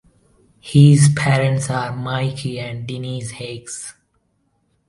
His parents are Mike and Denise Higgs.